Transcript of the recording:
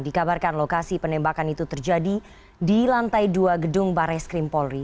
dikabarkan lokasi penembakan itu terjadi di lantai dua gedung bares krim polri